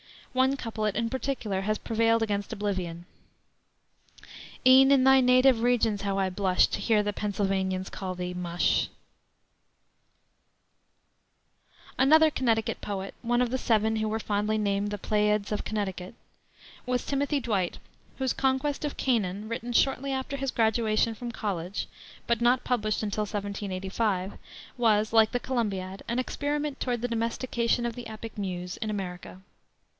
One couplet in particular has prevailed against oblivion: "E'en in thy native regions how I blush To hear the Pennsylvanians call thee Mush!" Another Connecticut poet one of the seven who were fondly named "The Pleiads of Connecticut" was Timothy Dwight, whose Conquest of Canaan, written shortly after his graduation from college, but not published till 1785, was, like the Columbiad, an experiment toward the domestication of the epic muse in America.